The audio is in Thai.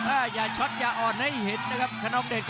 อย่าช็อตอย่าอ่อนให้เห็นนะครับขนองเดช